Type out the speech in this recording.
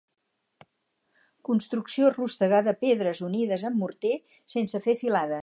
Construcció rústega de pedres unides amb morter sense fer filades.